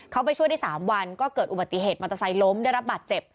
เขาไปช่วยได้๓วันก็เกิดอุบัติเหตุมอเตอร์ไซค์ล้มได้รับบาดเจ็บ